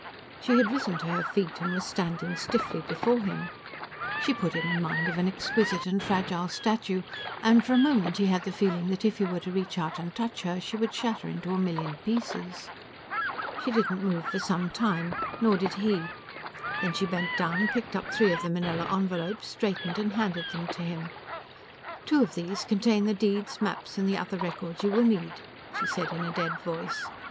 She had risen to her feet and was standing stiffly before him. She put him in mind of an exquisite and fragile statue, and for a moment he had the feeling that if he were to reach out and touch her, she would shatter into a million pieces. She did not move for some time, nor did he; then she bent down, picked up three of the manila envelopes, straightened, and handed them to him. "Two of these contain the deeds, maps and other records you will need," she said in a dead voice.